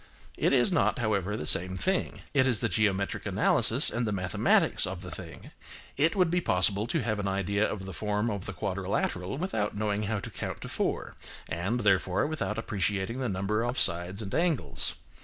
It is not, however, the same thing. It is the geometric analysis and the mathematics of the thing. It would be possible to have an idea of the form of the quadrilateral without knowing how to count to four, and, therefore, without appreciating the number of sides and angles.